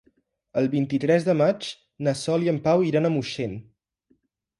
El vint-i-tres de maig na Sol i en Pau iran a Moixent.